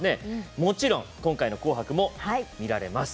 もちろん「紅白」も見られます。